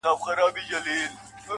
هر انسان مسؤلیت لري.